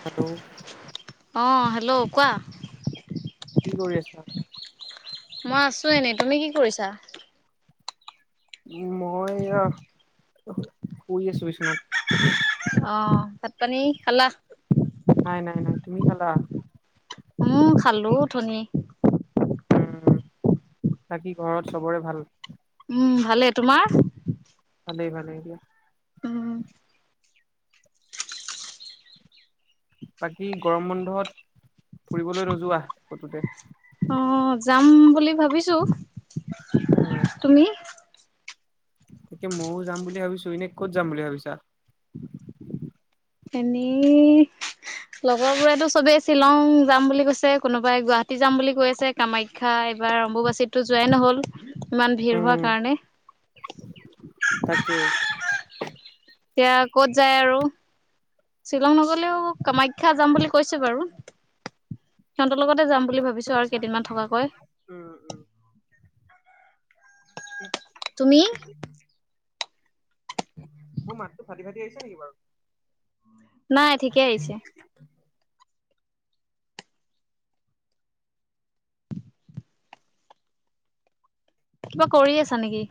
Hello অঁ hello কোৱা? কি কৰি আছা? মই আছো এনে তুমি কি কৰিছা মই শুই আছো বিচনাত অ ভাত পানী খালা? নাই নাই নাই তুমি খালা? উম খালো অথনি উম বাকী ঘৰত চবৰে ভাল উম ভালে তোমাৰ? ভালেই-ভালেই দিয়া উম বাকী গৰম বন্ধত ফুৰিবলৈ নোযোৱা কতো। অ যাম বুলি ভাবিছো উম তুমি? তাকে ময়ো যাম বুলি ভাবিছোঁ এনে কত যাম বুলি ভাবিছা এনেই লগৰবোৰেতো চবেই শ্বিলং যাম বুলি কৈছে কোনোবাই গুৱাহাটী যাম বুলি কৈ আছে কামাখ্যাই এইবাৰ অম্বুবাচিততো যোৱাই নহ'ল ইমান ভিৰ উম হোৱাৰ কাৰণে তাকে। এতিয়া ক'ত যায় আৰু শ্বিলং নগলেও কামাখ্যা যাম বুলি কৈছে বাৰু সিহঁতৰ লগতে যাম বুলি ভাবিছো আৰু কেইদিনমান থকাকৈ উম উম। তুমি মোৰ মাতটো ফাটি ফাটি আহিছে নেকি বাৰু নাই ঠিকে আহিছে। কিবা কৰি আছা নেকি?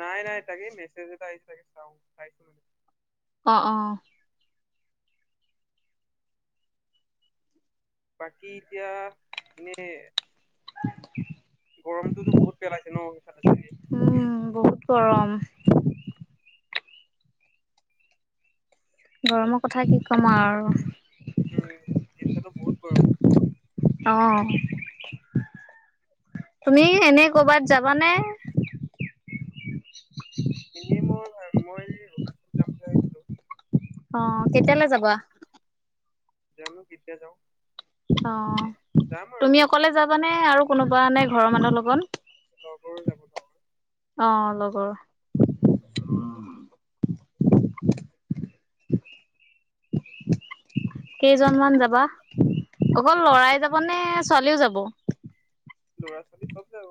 নাই নাই মেছেজ এটা আহছে তে চাও চাইছো অ অ বাকী এতিয়া এনেই [unintelligible] গৰমটোতো বহুত পেলাইছে ন এইফালে উম বহুত চাগে গৰম গৰমৰ কথা কি ক'ম আৰু উম এতিয়াটো বহুত গৰম অ তুমি এনে কৰবাত যাবানে এনেই মই মই অৰুণাচল যাম লৈ আহিছো অ কেতিয়ালৈ যাবা জানো কিতিয়া যাও। অ তুমি অকলে যাবানে আৰু কোনোবা নে ঘৰৰ মানুহৰ লগৰ যাব লগৰ লগত অ লগৰ [unintelligible] কেইজনমান যাবা অকল লৰাই যাব নে ছোৱালীও যাব ল'ৰা ছোৱালী চব যাব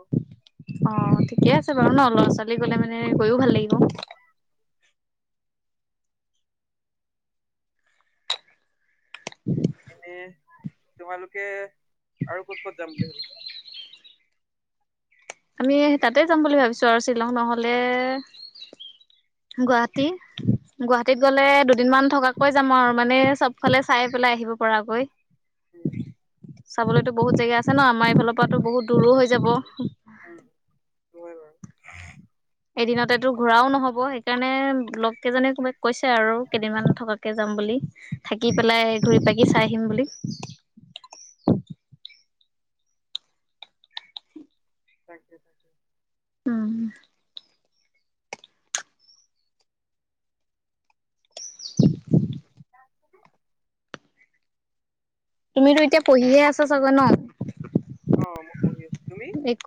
অ ঠিকে আছে বাৰু ন ল'ৰা ছোৱালী গলে মানে গৈও ভাল লাগিব এনে তোমালোকে আৰু ক'ত ক'ত যাম বুলি ভাবিছা আমি তাতে যাম বুলি ভাবিছো আৰু শ্বিলং নহলে [unintelligible] গুৱাহাটী গুৱাহাটীত গ'লে দুদিন মান থকাকৈ যাম আৰু মানে চব ফালে চাই পেলাই আহিব পৰাকৈ উম চাবলৈতো বহুত জাগা আছে ন আমাৰ এইফালৰ পৰা বহুত দূৰো হৈ যাব উম হয় বাৰু এদিনতেতো ঘূৰাও নহব সেইকাৰণে লগ কেইজনে কোবাক কৈছে আৰু কেইদিনমান থকাকে যাম বুলি থাকি উম পেলাই ঘূৰি পাকি চাই আহিম বুলি [unintelligible] তাকে উম [unintelligible] তুমিতো এতিয়া পঢ়িহে আছা ছাগৈ ন অ মই পঢ়ি আছো তুমি এক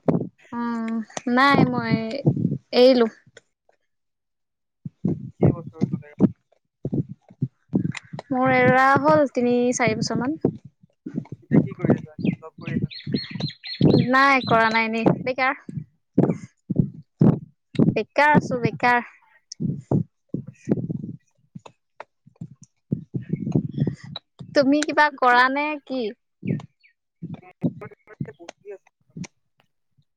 উম নাই মই এৰিলো কেই বছৰ পলে মোৰ এৰা হ'ল তিনি চাৰি বছৰ মান এতিয়া কি কৰি আছা জপ কৰি আছা নেকি নাই কৰা নাই নি বেকাৰ বেকাৰ আছো বেকাৰ তুমি কিবা কৰা নে কি [unintelligible] বৰ্তমান।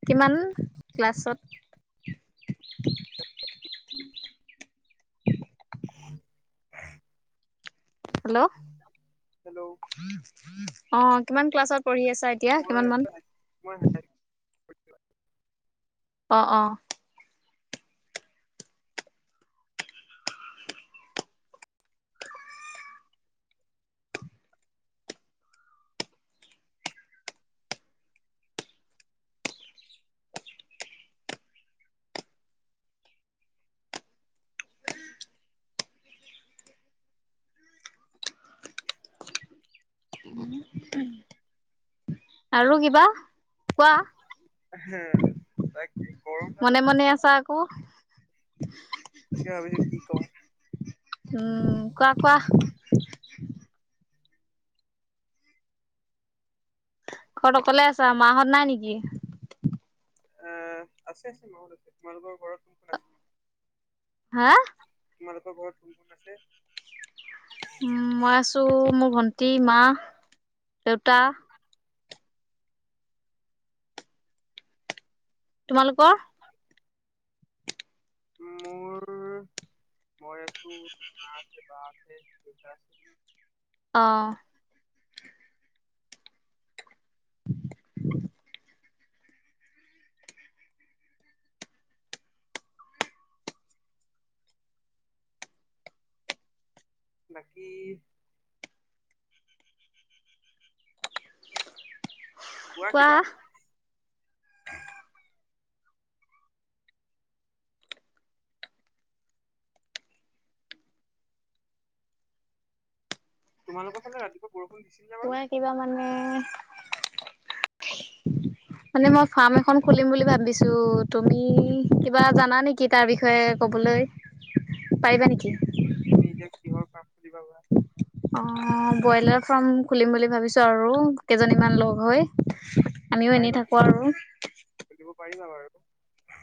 কিমান ক্লাছত [unintelligible] হেল্ল' হেল্ল' অ কিমান ক্লাছত পঢ়ি আছা এতিয়া মই কিমান মান মই [inaudible] অ অ আৰু কিবা কোৱা হ তাকেই মনে মনে আছা আকৌ তাকে ভাবিছো কি ক'ম [inaudible] উম কোৱা কোৱা [inaudible] ঘৰত অকলে আছা মাহঁত নাই নেকি উম আছে তোমালোকৰ ঘৰত কোন কোন আছে হা তোমালোকৰ ঘৰত কোন কোন আছে উম মই আছো মোৰ ভন্টি মা দেউতা উম তোমালোকৰ মোৰ মই আছো মা আছে বা আছে দেউতা আছে অ বাকী কোৱা কিবা তোমালোকৰ ফালে ৰাতিপুৱা বৰষুণ দিছিল নে বাৰু কোৱা কিবা মানে [inaudible] মানে মই ফাৰ্ম এখন খুলিম বুলি ভাবিছো তুমি কিবা জানা নেকি তাৰ বিষয়ে ক'বলৈ পাৰিবা নেকি তুমি এতিয়া কিহৰ ফাৰ্ম খুলিবা বা অ ব্ৰইলাৰ ফাৰ্ম খুলিম বুলি ভাবিছো আৰু কেইজনীমান লগ হৈ আমিও এনেই পাৰিবা থাকো আৰু খুলিব পাৰিবা বাৰু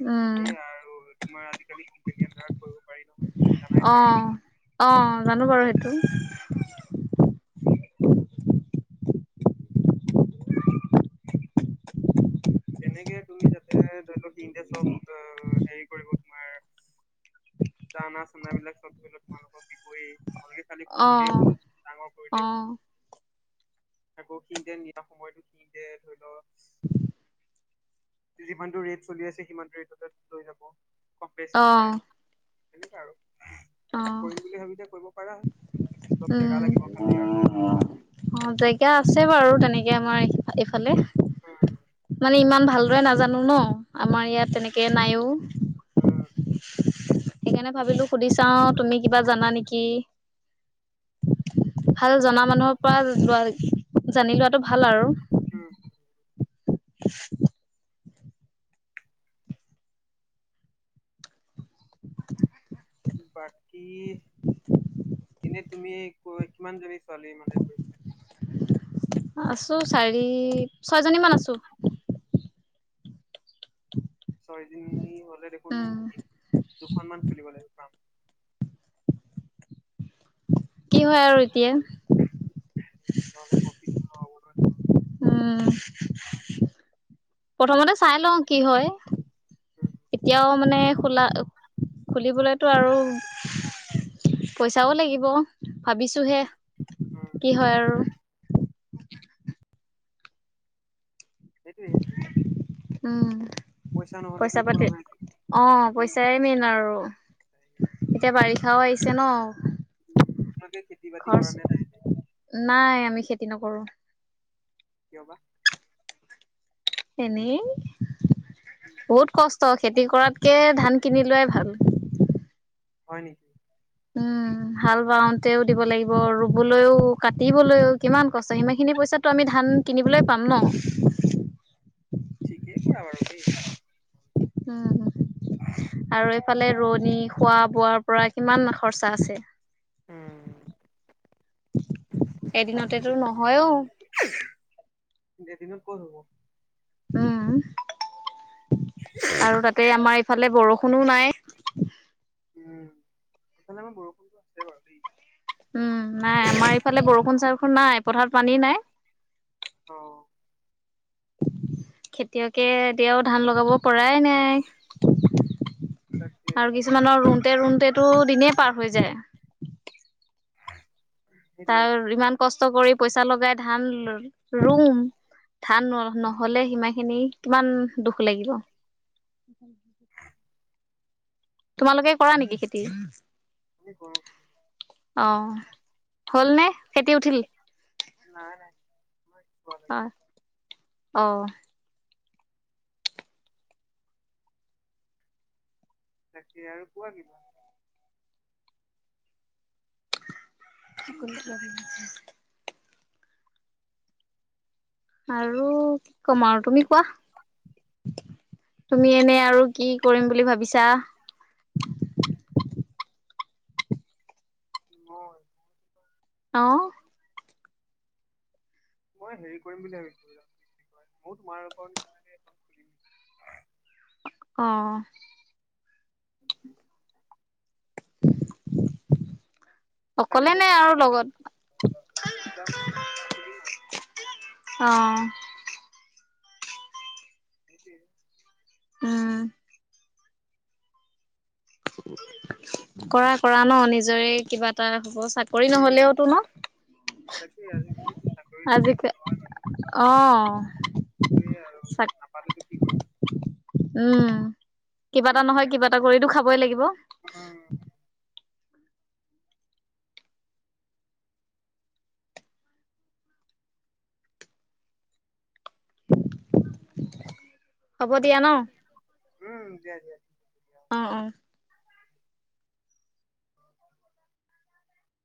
উম সেয়া আৰু তোমাৰ আজিকালি কোম্পেনী আন্দাৰত কৰিব পাৰি জানাই অ চাগে অ জানো বাৰু সেইটো [inaudible] তেনেকে তুমি যাতে ধৰি লও সিঁহতে চব হেৰি কৰিব তোমাৰ ডানা চানা বিলাক চব ধৰি লও তোমালোকক দিবই ভালকে খালি পুহিলেই হ'ল অ', ডাঙৰ কৰিলেই অ', হ'ল আকৌ সিতে নিয়া সময়তো সিতে ধৰি লও যিমানটো ৰেট চলি আছে সিমানটো ৰেটতে লৈ যাব কম বেচ নকৰে অ', তেনেকুৱা আৰু অ', কৰিম বুলি ভাবিলে কৰিব পাৰা অলপ জেগা উম লাগিব খালি আৰু। অ জেগা আছে বাৰু তেনেকে আমাৰ এইফালে উম মানে ইমান ভালদৰে নাজানো ন আমাৰ ইয়াত তেনেকে নাইও উম, সেইকাৰণে ভাবিলো সুধি চাওঁ তুমি কিবা জানা নেকি [inaudible] ভাল জনা মানুহৰ পৰা লোৱা জানি লোৱাটো ভাল আৰু উম। [inaudible] [unintelligible] বাকী এনে তুমি ক কিমান জাবিছা। কালি মানে গৈ। আ চাৰি ছয়জনী মান আছো। ছয়দিন হলে দেখোন উম, দুখনমানান খুলিব লাগিব। কি হয় আৰু এতিয়া নহ'লে প্ৰফিট নহ'ব নহয় তোমালোকৰ। উম প্ৰথমতে চাই লওঁ কি হয়। উম, এতিয়াও মানে খোলা খুলিবলেতো আৰু পইচাও লাগিব ভাবিছোহে উম, কি হয় আৰু সেইটোৱেই সেইটোৱেই। উম পইচা পাতি নহয়। অ একো পইচাই নহয়। মেইন আৰু এতিয়া বাৰিষাও আহিছে ন উম, তোমালোকে খেতি বাতি খৰচ কৰা নে নাই নাই আমি খেতি নকৰো। কিয় বা? এনেই উম, বহুত কষ্ট খেতি কৰাতকে ধান কিনি লোৱাই ভাল। হয় নেকি। অ হাল বাওতেও দিব লাগিব ৰুবলৈও কাটিবলৈও কিমান কষ্ট সিমান খিনি পইচাটো আমি ধান কিনিবলৈ পাম ন। [unintelligible] ঠিকেই কৰা বাৰু দেই চাব। উম আৰু এইফালে ৰোৱনী খোৱা বোৱাৰ পৰা কিমান খৰচা আছে। উম। এদিনতেটো নহয়ও এদিনত ক'ত হব। উম আৰু তাতে আমাৰ ইফালে বৰষুণ,। কোনো নাই। উম সেইফালে আমাৰ বৰষুণটো আছে বাৰু দেই। উম নাই আমাৰ এইফালে বৰষুণ চৰষুণ নাই পথাৰত পানী নাই। অ। খেতিয়কে এতিয়াও ধান লগাব পৰাই নাই। তাকে আৰু কিছুমানৰ ৰুওঁতে ৰুওঁতেতটো দিনে পাৰ হৈ যায়। সেইটোৱে তাৰ ইমান কষ্ট কৰি পইচা লগাই ধান ৰুম। ধান ন নহলে সিমা খিনি কিমান দুখ লাগিব। [unintelligible] তোমালোকে কৰা নেকি খেতি? কি কৰো। অ হ'ল নে খেতি উঠিল! নাই নাই মই চোৱা অ লাগি অ। তাকে আৰু কোৱা কিবা। কোন দখত। আৰু কমাও তুমি কোৱা। তুমি এনে আৰু কি কৰিম বুলি ভাবিছা। মই,। অহ। মই হেৰি কৰিম বুলি ভাবিছো কি কয় মই তোমাৰ লোকৰ নিচিনাকে এখন খুলি। [unintelligible] অ। উ [unintelligible] খালি অকলে নাই আৰু লগত। দুটামান খুলিম আৰু অহ। উম [inaudible] উম কৰা কৰা ন নিজৰে কিবা এটা হ'ব চাকৰি নহলেওতো ন তাকেই আজি কালি টো চাকৰি আজি নহলে অ সেইটোয়ে আৰু চাক নাপালোতো কি কৰিবা। উম কিবা এটা কৰিব নহয় কিবা এটা কৰিতো খাবই লাগিব। উম হ'ব দিয়া ন। উম দিয়া দিয়া। অ অ।